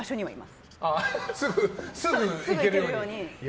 すぐ行けるように？